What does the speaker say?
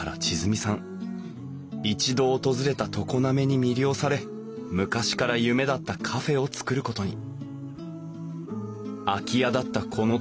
一度訪れた常滑に魅了され昔から夢だったカフェを作ることに。